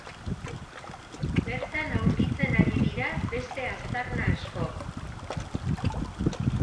Bertan aurkitzen ari dira beste aztarna asko.